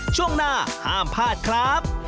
ช่วงหน้าห้ามพลาดครับ